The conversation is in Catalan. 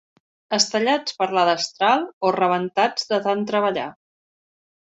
Estellats per la destral o rebentats de tant treballar.